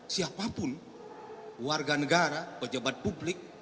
siapapun warga negara pejabat publik